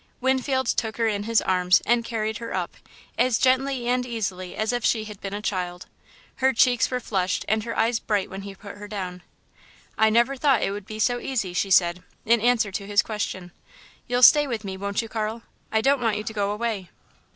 Winfield took her in his arms and carried her up, as gently and easily as if she had been a child. Her cheeks were flushed and her eyes bright when he put her down. "I never thought it would be so easy," she said, in answer to his question. "You'll stay with me, won't you, Carl? I don't want you to go away."